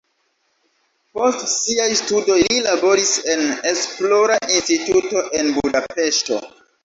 Post siaj studoj li laboris en esplora instituto en Budapeŝto.